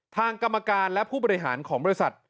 ทางกรรมการและผู้บริหารของบริษัท